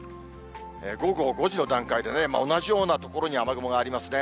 午後５時の段階でね、同じような所に雨雲がありますね。